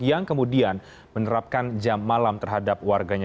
yang kemudian menerapkan jam malam terhadap warganya